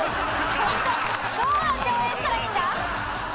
どうやって応援したらいいんだ？